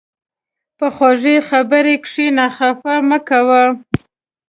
په خوږې خبرې کښېنه، خفه مه کوه.